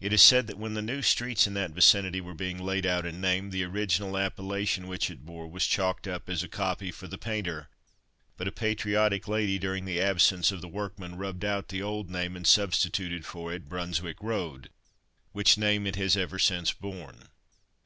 It is said that when the new streets in that vicinity were being laid out and named, the original appellation which it bore, was chalked up as copy for the painter; but a patriotic lady, during the absence of the workman rubbed out the old name and substituted for it "Brunswick road," which name it has ever since borne.